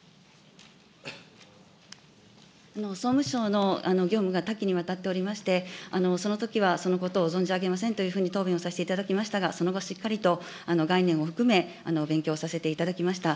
総務省の業務が多岐にわたっておりまして、そのときはそのことを存じあげませんというふうに答弁をさせていただきましたが、その後、しっかりと概念を含め、勉強させていただきました。